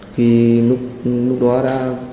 khi lúc đó đã